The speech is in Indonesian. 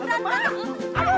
nggak mau mau mau mau